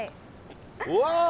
うわ！